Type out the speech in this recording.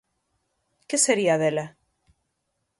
¿Que sería dela?